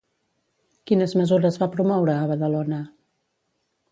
Quines mesures va promoure a Badalona?